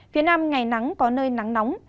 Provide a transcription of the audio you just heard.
phía nam ngày nắng có nơi nắng nóng